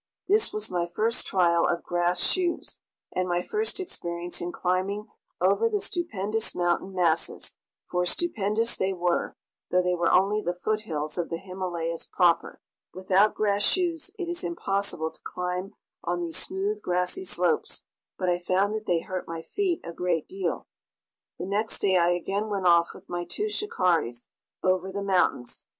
This was my first trial of grass shoes, and my first experience in climbing over the stupendous mountain masses; for stupendous they were, though they were only the foothills of the Himalayas proper. Without grass shoes it is impossible to climb on these smooth, grassy slopes; but I found that they hurt my feet a great deal. The next day I again went off with my two shikaris over the mountains.